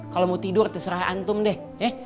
kalau mau tidur terserah antum deh